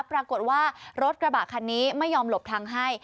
ปรากฏว่ารถกระบะคันนี้ไม่ยอมหลบทางให้